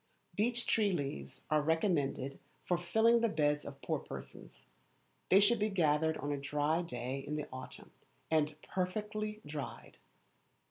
Beech tree leaves are recommended for filling the beds of poor persons. They should be gathered on a dry day in the autumn, and perfectly dried.